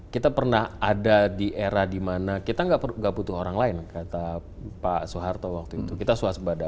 kita pernah ada di era dimana kita nggak butuh orang lain kata pak soeharto waktu itu kita swasembada